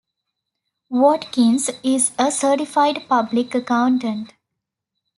Watkins is a Certified Public Accountant.